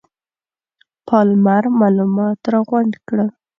پالمر معلومات راغونډ کړل.